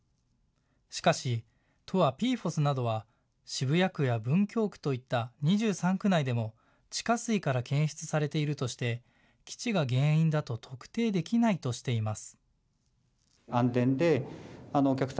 しかし都はＰＦＯＳなどは渋谷区や文京区といった２３区内でも地下水から検出されているとして基地が原因だと特定できないとしています。